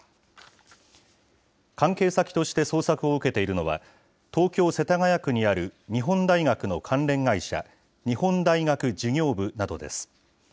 関係先として捜索を受けているのは、東京・世田谷区にある日本大学の関連会社、日本大学事業部などです。